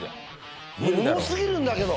重すぎるんだけど。